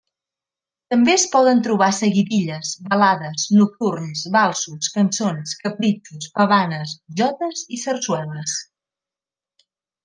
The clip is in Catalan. També es poden trobar seguidilles, balades, nocturns, valsos, cançons, capritxos, pavanes, jotes i sarsueles.